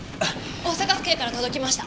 大阪府警から届きました。